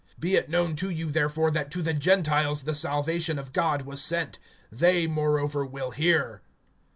(28)Be it known to you, therefore, that to the Gentiles the salvation of God was sent; they, moreover, will hear.